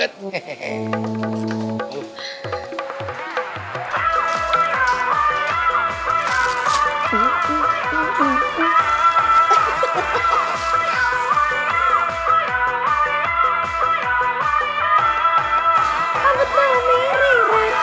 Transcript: bang pi namanya eh